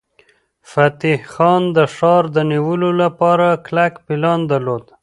فتح خان د ښار د نیولو لپاره کلک پلان درلود.